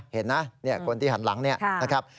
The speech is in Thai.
เห็นไหมคนที่หันหลังเนี่ยนะครับ